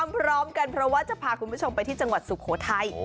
พร้อมกันเพราะว่าจะพาคุณผู้ชมไปที่จังหวัดสุโขทัย